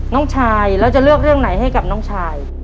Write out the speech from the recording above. น้องชายแล้วจะเลือกเรื่องไหนให้กับน้องชาย